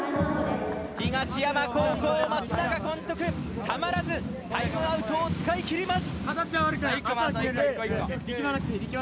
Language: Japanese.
東山高校、松永監督たまらずタイムアウトを使い切ります。